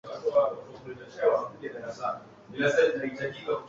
akitokea nchini singapore aliyeko kuwa likizoni hapo jana